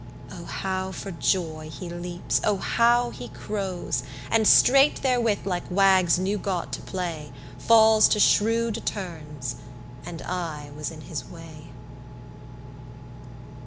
Oh how for joy he leaps, oh how he crows, And straight therewith like wags new got to play, Falls to shrewd turns, and I was in his way.